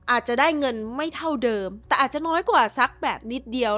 อาจจะได้เงินไม่เท่าเดิมแต่อาจจะน้อยกว่าสักแบบนิดเดียว